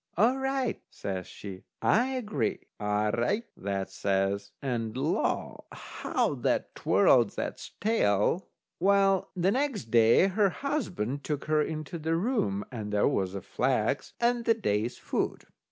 "All right," says she, "I agree." "All right," that says, and law! how that twirled that's tail. Well, the next day, her husband took her into the room, and there was the flax and the day's food.